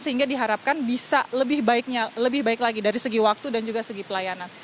sehingga diharapkan bisa lebih baik lagi dari segi waktu dan juga segi pelayanan